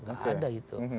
gak ada itu